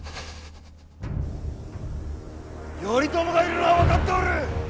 頼朝がいるのは分かっておる。